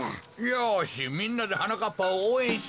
よしみんなではなかっぱをおうえんしよう。